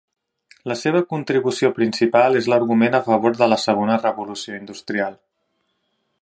La seva contribució principal és l'argument a favor de la segona revolució industrial.